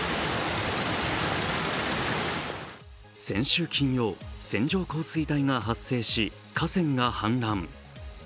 先週金曜、線状降水帯が発生し河川が氾濫。